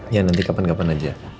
ya nanti kapan kapan aja